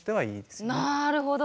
なるほど！